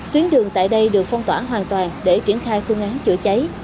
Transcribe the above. tuyến đường tại đây được phong tỏa hoàn toàn để triển khai phương án chữa cháy